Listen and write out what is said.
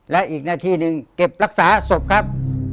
และอีกหน้าที่หนึ่งเก็บรักษาศพครับ